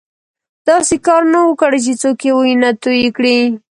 داسې کار نه وو کړی چې څوک یې وینه توی کړي.